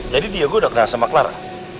jadi dia gue udah kenal sama clara